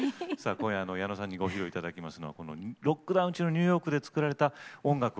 今夜矢野さんにご披露いただきますのはロックダウン中のニューヨークで作られた「音楽はおくりもの」。